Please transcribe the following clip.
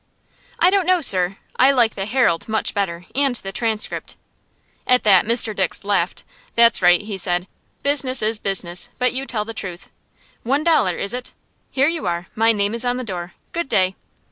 "I don't know, sir. I like the 'Herald' much better, and the 'Transcript.'" At that Mr. Dix laughed. "That's right," he said. "Business is business, but you tell the truth. One dollar, is it? Here you are. My name is on the door. Good day."